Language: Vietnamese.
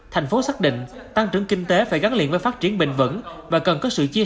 thành phố xác định tăng trưởng kinh tế phải gắn liền với phát triển bền vững và cần có sự chia